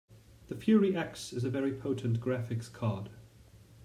The Fury X is a very potent graphics card.